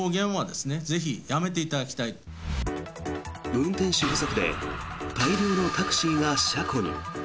運転手不足で大量のタクシーが車庫に。